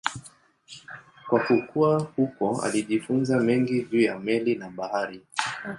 Kwa kukua huko alijifunza mengi juu ya meli na bahari.